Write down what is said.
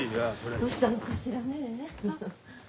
どうしたのかしらねえ。